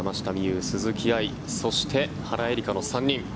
有、鈴木愛そして原英莉花の３人。